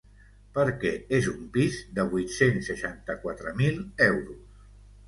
Perquè és un pis de vuit-cents seixanta-quatre mil euros.